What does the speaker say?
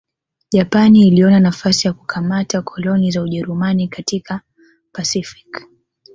Japani iliona nafasi ya kukamata koloni za Ujerumani katika Pasifiki